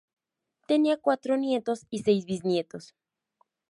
Tenía cuatro nietos y seis bisnietos.